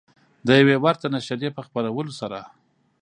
د یوې ورته نشریې په خپرولو سره